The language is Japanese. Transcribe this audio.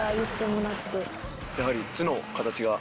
やはり。